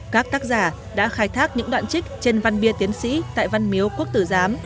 các tác giả đã khai thác những đoạn trích trên văn bia tiến sĩ tại văn miếu quốc tử giám